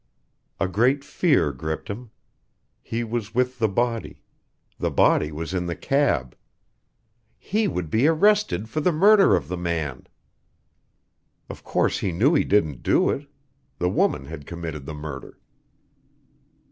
A great fear gripped him. He was with the body. The body was in his cab. He would be arrested for the murder of the man! Of course he knew he didn't do it. The woman had committed the murder.